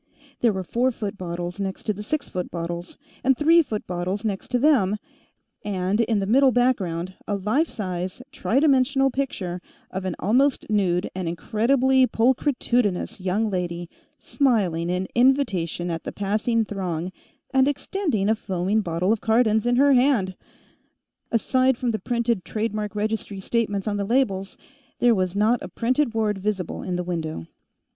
There were four foot bottles next to the six foot bottles, and three foot bottles next to them, and, in the middle background, a life size tri dimensional picture of an almost nude and incredibly pulchritudinous young lady smiling in invitation at the passing throng and extending a foaming bottle of Cardon's in her hand. Aside from the printed trademark registry statements on the labels, there was not a printed word visible in the window.